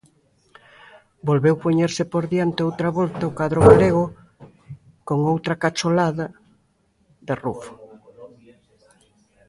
Volveu poñerse por diante outra volta o cadro galego con outra cacholada de Rufo.